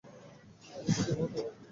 আমার দিকে এভাবে তাকাবে না!